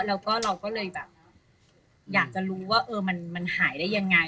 แล้วก็เราก็เลยแบบอยากจะรู้ว่ามันหายได้ยังไง